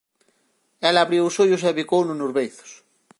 Ela abriu os ollos e bicouno nos beizos.